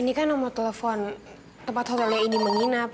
ini kan nomor telepon tempat hotelnya ini menginap